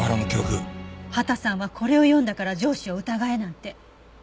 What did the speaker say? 秦さんはこれを読んだから上司を疑えなんて。